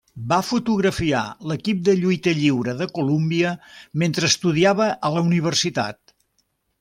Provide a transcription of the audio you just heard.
Va fotografiar l'equip de lluita lliure de Colúmbia mentre estudiava a la universitat.